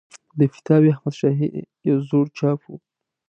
د فتاوی احمدشاهي یو زوړ چاپ و.